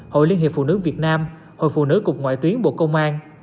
hội liên hiệp phụ nữ việt nam hội phụ nữ cục ngoại tuyến bộ công an